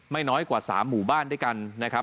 น้อยกว่า๓หมู่บ้านด้วยกันนะครับ